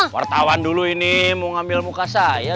wartawan dulu ini mau ngambil muka saya